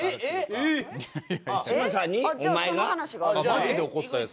マジで怒ったやつだ。